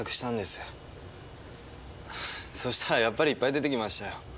そしたらやっぱりいっぱい出てきましたよ。